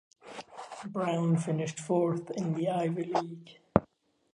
Brown finished fourth in the Ivy League.